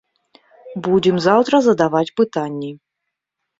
Будзем заўтра задаваць пытанні.